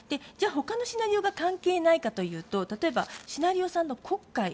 じゃあ、ほかのシナリオが関係ないかというと例えばシナリオ３の黒海